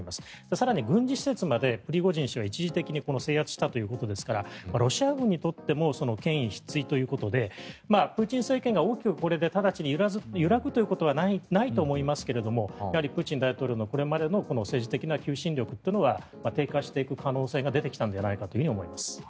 更に、軍事施設までプリゴジン氏は一時的に制圧したということですからロシア軍にとっても権威失墜ということでプーチン政権が大きくこれで揺らぐことはないと思いますがやはりプーチン大統領のこれまでの政治的な求心力は低下していく可能性が出てきたんじゃないかと思います。